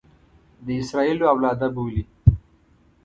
د اسراییلو اولاده بولي.